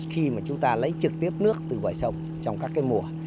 khi mà chúng ta lấy trực tiếp nước từ bờ sông trong các cái mùa